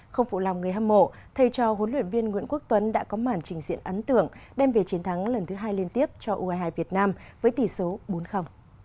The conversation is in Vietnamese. không phụ lòng người hâm mộ thay cho huấn luyện viên nguyễn quốc tuấn đã có màn trình diện ấn tượng đem về chiến thắng lần thứ hai liên tiếp cho ue hai việt nam với tỷ số bốn